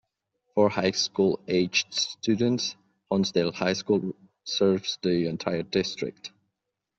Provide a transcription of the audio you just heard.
For high school-aged students, Honesdale High School serves the entire district.